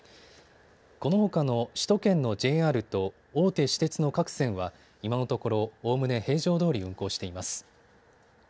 このほかの首都圏のＪＲと大手私鉄の各線は今のところおおむね平常どおり運行しています。